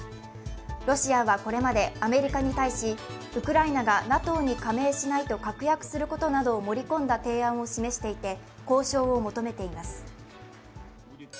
ロシアはこれまでアメリカに対し、ウクライナがＮＡＴＯに加盟しないと確約することなどを盛り込んだ提案を示していて交渉を求めています。